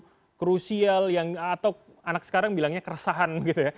yang krusial yang atau anak sekarang bilangnya keresahan gitu ya